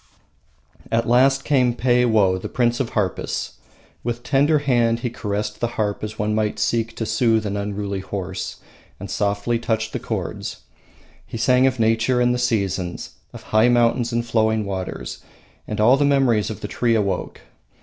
At last came Peiwoh, the prince of harpists. With tender hand he caressed the harp as one might seek to soothe an unruly horse, and softly touched the chords. He sang of nature and the seasons, of high mountains and flowing waters, and all the memories of the tree awoke!